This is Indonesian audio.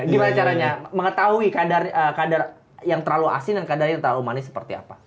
gimana caranya mengetahui kadar yang terlalu asin dan kadar yang terlalu manis seperti apa